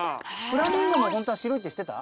フラミンゴもホントは白いって知ってた？